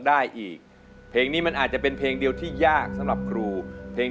ได้อีกเพจนี้มันอาจจะเป็นเพจที่ยากสำหรับครูเพจ